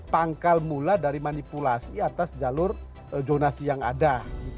pangkal mula dari manipulasi atas jalur zonasi yang ada